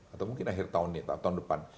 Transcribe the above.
atau mungkin akhir tahun ini atau tahun depan